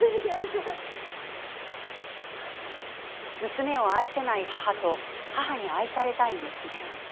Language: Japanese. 娘を愛せない母と母に愛されたい娘。